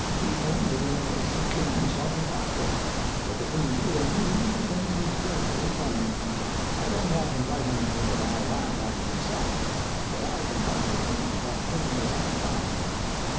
He came within an ace of killing himself with laughter (for between you and me the thing was dreadfully funny. I don't often write anything that I laugh at myself, but I can hardly think of that thing without laughing).